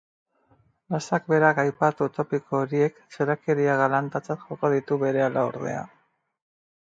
Lasak berak aipatu topiko horiek txorakeria galantatzat joko ditu berehala ordea.